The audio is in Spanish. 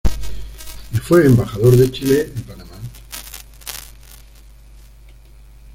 Y fue embajador de Chile en Panamá.